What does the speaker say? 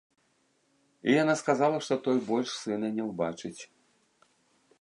І яна сказала, што той больш сына не ўбачыць.